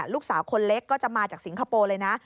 ลูกสาวคนเล็กก็จะมาจากสิงคโปร์เลยนะ